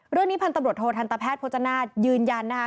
เรื่องนี้พันธุ์ตำรวจโทรทันตะแพทย์พจนาฏยืนยันนะคะ